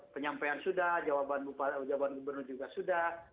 penyampaian sudah jawaban gubernur juga sudah